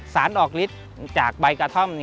สารออกฤทธิ์จากใบกระท่อม